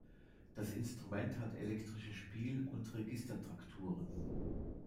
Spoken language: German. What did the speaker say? Das Instrument hat elektrische Spiel- und Registertrakturen.